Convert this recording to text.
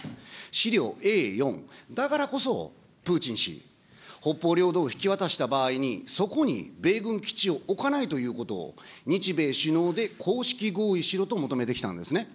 資料Ａ４、だからこそ、プーチン氏、北方領土を引き渡した場合に、そこに米軍基地を置かないということを日米首脳で公式合意しろと求めてきたんですね。